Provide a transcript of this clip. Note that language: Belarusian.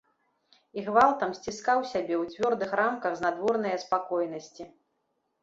І гвалтам сціскаў сябе ў цвёрдых рамках знадворнае спакойнасці.